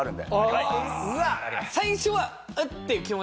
最初は？